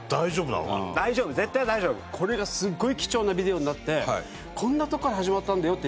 これがすごい貴重なビデオになってこんなところから始まったんだよって